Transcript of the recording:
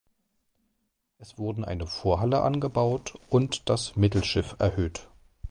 Es wurden eine Vorhalle angebaut und das Mittelschiff erhöht.